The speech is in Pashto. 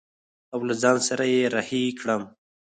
او له ځان سره يې رهي کړم.